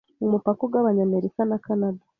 umupaka ugabanya Amerika na Canada,